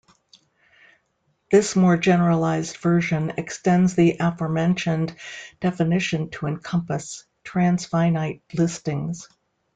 This more generalized version extends the aforementioned definition to encompass transfinite listings.